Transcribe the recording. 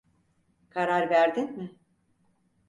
Karar verdin mi?